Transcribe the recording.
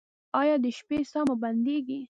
ایا د شپې ساه مو بندیږي؟